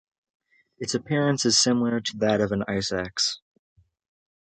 Its appearance is similar to that of an ice axe.